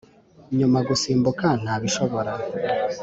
Ngumya gusimbuka ntabishobora